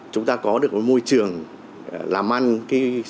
chúng ta có được một môi trường làm ăn các cái mối hợp tác nhau